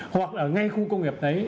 hoặc là ngay khu công nghiệp đấy